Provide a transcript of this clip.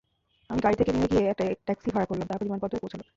আমি গাড়ি থেকে নেমে একটা ট্যাক্সি ভাড়া করলাম, তারপর বিমানবন্দরে পৌঁছালাম।